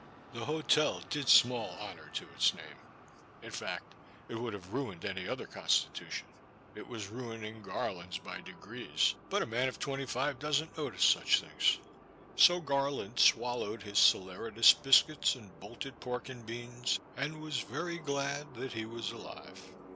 The hotel did small honour to its name, in fact it would have ruined any other constitution. It was ruining Garland's by de grees, but a man of twenty five does n't notice such things. So Garland swallowed his saleratus biscuits and bolted pork and beans, and was very glad that he was alive.